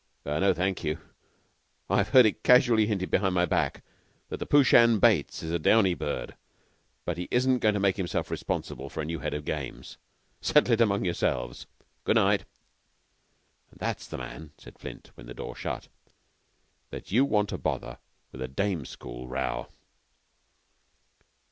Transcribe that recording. "No, thank you. I've heard it casually hinted behind my back that the Prooshan Bates is a downy bird, but he isn't going to make himself responsible for a new Head of the Games. Settle it among yourselves. Good night." "And that's the man," said Flint, when the door shut, "that you want to bother with a dame's school row."